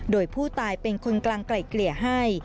โดยผู้ตายเป็นคนกลางไกล่เกลี่ยให้